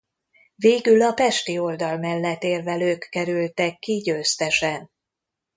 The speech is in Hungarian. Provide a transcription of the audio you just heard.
Végül a pesti oldal mellett érvelők kerültek ki győztesen.